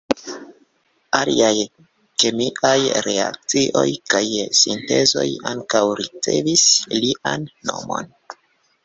Aliaj kemiaj reakcioj kaj sintezoj ankaŭ ricevis lian nomon.